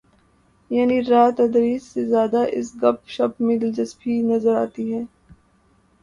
یعنی راہ تدریس سے زیادہ اس گپ شپ میں دلچسپی نظر آتی ہے۔